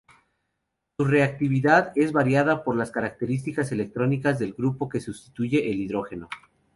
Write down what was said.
Su reactividad es variada por las características electrónicas del grupo que sustituye al hidrógeno.